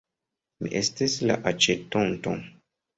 Mi estis la aĉetonto.